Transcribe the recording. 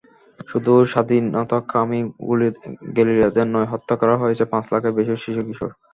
শুধু স্বাধীনতাকামী গেরিলাদের নয়, হত্যা করা হয়েছে পাঁচ লাখের বেশি শিশু-কিশোর।